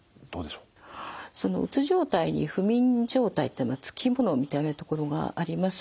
うつ状態に不眠状態ってつきものみたいなところがあります。